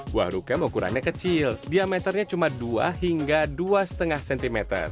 buah rukam ukurannya kecil diameternya cuma dua hingga dua lima cm